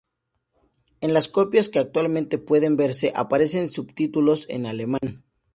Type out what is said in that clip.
En las copias que actualmente pueden verse, aparecen subtítulos en alemán.